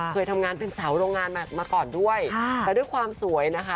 เคยทำงานเป็นสาวโรงงานมาก่อนด้วยแต่ด้วยความสวยนะคะ